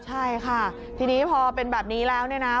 ใช่ค่ะทีนี้พอเป็นแบบนี้แล้วเนี่ยนะ